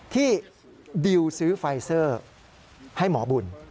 ที่บิวซื้อไฟเซอร์ให้หมอบุญ